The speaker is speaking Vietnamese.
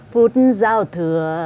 phút giao thừa